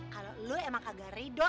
kalau lu emang kagak ridho